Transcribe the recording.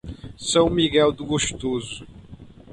São Miguel do Gostoso